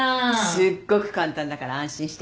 すっごく簡単だから安心して。